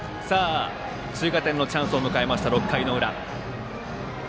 追加点のチャンスを迎えた６回の裏。